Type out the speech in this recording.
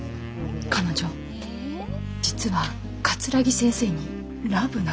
彼女実は桂木先生にラブなのよ。